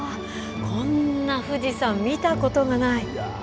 こんな富士山、見たことがない。